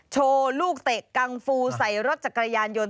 โชว์ลูกเตะกังฟูใส่รถจักรยานยนต์